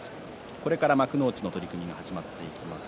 これから幕内の取組が始まっていきます。